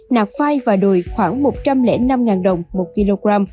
nạc phai và đùi khoảng một trăm linh năm đồng một kg